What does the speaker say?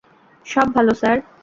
সব ভালো, স্যার।